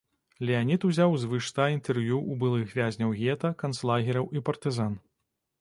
Леанід узяў звыш ста інтэрв'ю ў былых вязняў гета, канцлагераў і партызан.